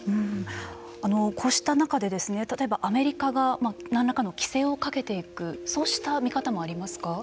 こうした中で例えばアメリカが何らかの規制をかけていくそうした見方もありますか。